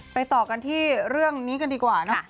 ไปต่อกันที่เรื่องนี้กันดีกว่า